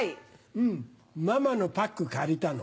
うんママのパック借りたの。